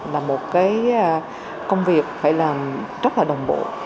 là một cái công việc phải làm rất là đồng bộ